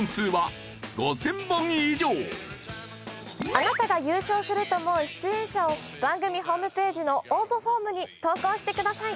あなたが優勝すると思う出演者を番組ホームページの応募フォームに投稿してください。